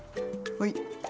はい。